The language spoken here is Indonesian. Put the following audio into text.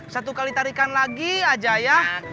satu kali tarikan lagi aja ya